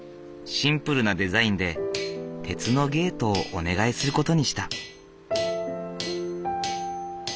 シンプルなデザインで鉄のゲートをお願いする事にした。